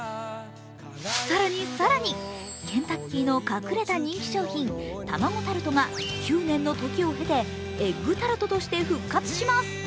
更に更に、ケンタッキーの隠れた人気商品、たまごタルトが９年の時をへてエッグタルトとして復活します。